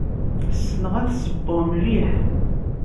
Ssneɣ ad ssewweɣ mliḥ.